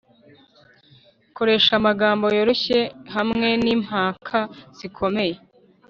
koresha amagambo yoroshye hamwe nimpaka zikomeye